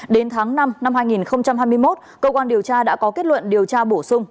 đến tháng năm năm hai nghìn hai mươi một cơ quan điều tra đã có kết luận điều tra bổ sung